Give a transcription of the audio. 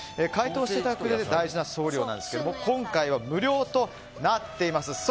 回答していただく大事な送料ですが今回は無料となっています。